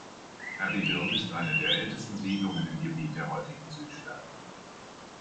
Abbeville ist eine der ältesten Siedlungen im Gebiet der heutigen Südstaaten.